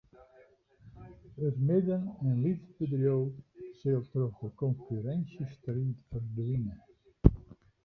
It midden- en lytsbedriuw sil troch de konkurrinsjestriid ferdwine.